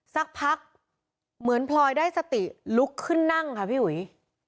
สักพักเหมือนพลอยได้สติลุกขึ้นนั่งค่ะพี่อุ๋ย